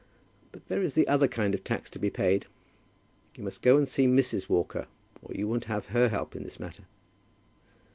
But there is the other kind of tax to be paid. You must go up and see Mrs. Walker, or you won't have her help in this matter."